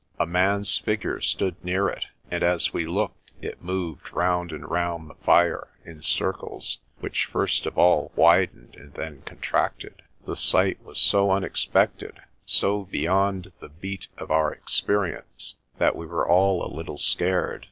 A man's figure stood near it, and as we looked it moved round and round the fire in circles which first of all widened and then contracted. The sight was so unexpected, so beyond the beat of our experience, that we were all a little scared.